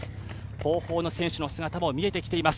後方の選手の姿も見えてきます。